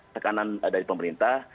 tekanan dari pemerintah